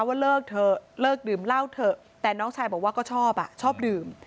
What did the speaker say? ว่าเลิกเถอะเลิกดื่มเหล้าเถอะแต่น้องชายบอกว่าก็ชอบอ่ะชอบดื่ม